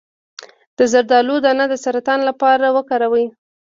د زردالو دانه د سرطان لپاره وکاروئ